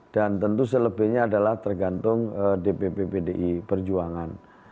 dan tentu selebihnya adalah tergantung dpp bdi perjuangan